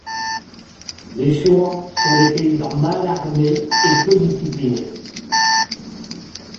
Les chouans sont des paysans mal armés et peu disciplinés.